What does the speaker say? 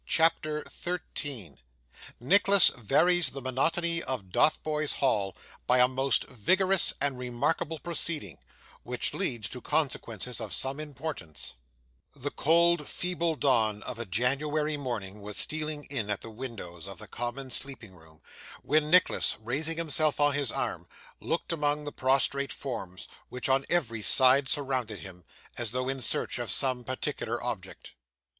CHAPTER 13 Nicholas varies the Monotony of Dothebys Hall by a most vigorous and remarkable proceeding, which leads to Consequences of some Importance The cold, feeble dawn of a January morning was stealing in at the windows of the common sleeping room, when Nicholas, raising himself on his arm, looked among the prostrate forms which on every side surrounded him, as though in search of some particular object.